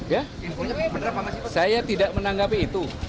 saya tidak menanggapi itu